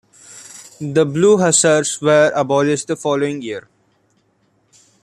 The Blue Hussars were abolished the following year.